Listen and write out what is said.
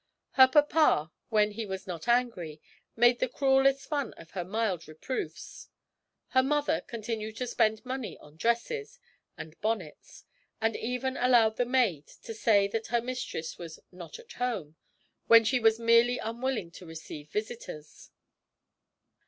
Her papa, when he was not angry, made the cruellest fun of her mild reproofs; her mother continued to spend money on dresses and bonnets, and even allowed the maid to say that her mistress was 'not at home,' when she was merely unwilling to receive visitors.